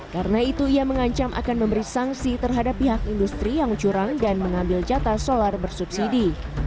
karena itu ia mengancam akan memberi sanksi terhadap pihak industri yang curang dan mengambil jata solar bersubsidi